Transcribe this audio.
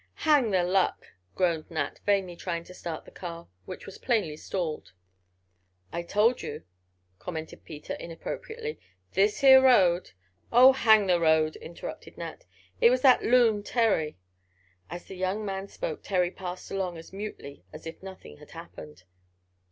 "Hang the luck!" groaned Nat, vainly trying to start the car, which was plainly stalled. "I told you," commented Peter, inappropriately. "This here road——" "Oh, hang the road!" interrupted Nat. "It was that loon—Terry." As the young man spoke Terry passed along as mutely as if nothing had happened.